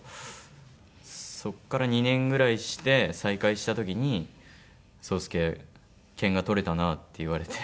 そこから２年ぐらいして再会した時に「壮亮険が取れたな」って言われて。